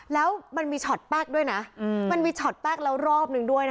แล้วมันมีช็อตแป้งด้วยนะมันมีช็อตแป้งแล้วรอบนึงด้วยนะ